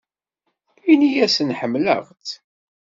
Ini-asen ḥemmleɣ-tt.